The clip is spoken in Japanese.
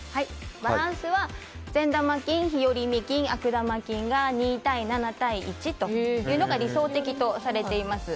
バランスは善玉菌、日和見菌悪玉菌が２対７対１が理想的とされています。